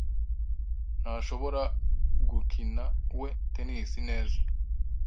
ntashobora gukinawe tennis neza.